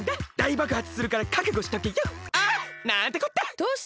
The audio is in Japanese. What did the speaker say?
どうしたの？